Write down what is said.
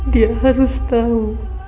dia harus tahu